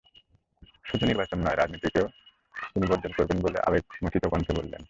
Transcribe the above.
শুধু নির্বাচন নয়, রাজনীতিকেও তিনি বর্জন করবেন বলে আবেগ মথিত কণ্ঠে বললেন।